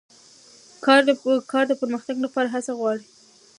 کار د پرمختګ لپاره هڅه غواړي